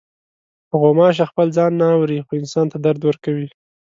غوماشه خپل ځان نه اوري، خو انسان ته درد ورکوي.